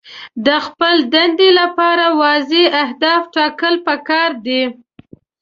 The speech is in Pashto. د خپلې دندې لپاره واضح اهداف ټاکل پکار دي.